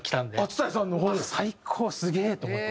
最高すげえ！と思って。